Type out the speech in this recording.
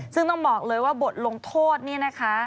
ซึ่งต้องบอกเลยว่าบทลงโทษนี่นะคะ